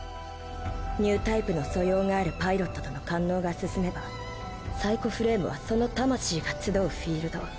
ニュータイプの素養があるパイロットとの感応が進めばサイコフレームはその魂が集うフィールド